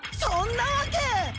そんなわけ。